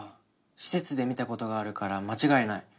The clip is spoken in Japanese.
施設で見た事があるから間違いない。